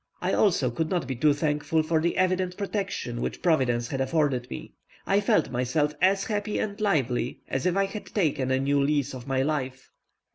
I also could not be too thankful for the evident protection which Providence had afforded me. I felt myself as happy and lively as if I had taken a new lease of my life.